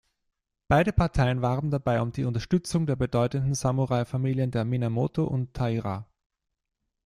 Beide Parteien warben dabei um die Unterstützung der bedeutenden Samurai-Familien der Minamoto und Taira.